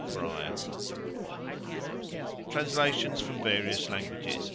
TRANSLATIONS FROM VARIOUS LANGUAGES.